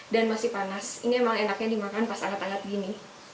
dan masih panas ini emang enaknya dimakan pas anget anget gini